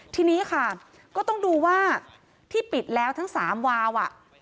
ทีนี้ค่ะก็ต้องดูว่าที่ปิดแล้วทั้ง๓วาวอ่ะ